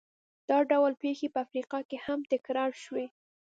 دا ډول پېښې په افریقا کې هم تکرار شوې.